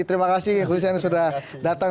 terima kasih husein sudah datang